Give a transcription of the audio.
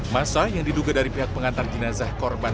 masa yang diduga dari pihak pengantar jenazah korban